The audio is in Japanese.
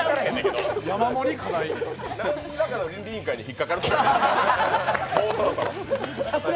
何らかの倫理委員会に引っかかると思う。